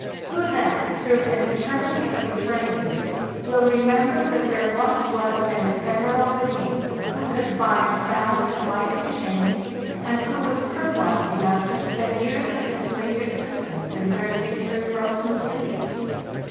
Who then, through an eternity of eternities, will remember that there once was an ephemeral being who could bind sound and light in chains, and who was purblind enough 442 FARTHEST NORTH to spend years of his brief existence in drifting through frozen seas?